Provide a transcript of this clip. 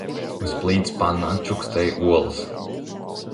Uz plīts pannā čukstēja olas.